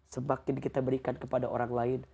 semakin kita berikan kepada orang lain